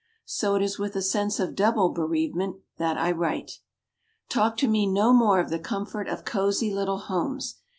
So it is with a sense of double bereavement that I write. Talk to me no more of the comfort of cozy little homes.